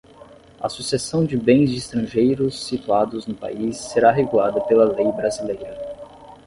a sucessão de bens de estrangeiros situados no país será regulada pela lei brasileira